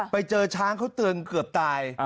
ไปเจอช้างเขาเตือนเกือบตาย